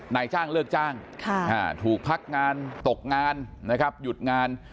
นายจ้างเลิกจ้างถูกพักงานตกงานนะครับหยุดงาน